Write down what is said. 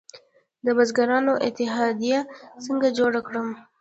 د بزګرانو اتحادیه څنګه جوړه کړم؟